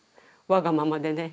わがままでね。